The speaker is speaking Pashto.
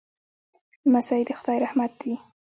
لمسی د خدای رحمت وي.